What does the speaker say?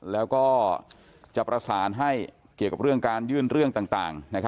แล้วก็จะประสานให้เกี่ยวกับเรื่องการยื่นเรื่องต่าง